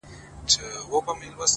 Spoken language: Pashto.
• په دنیا کي مو وه هر څه اورېدلي ,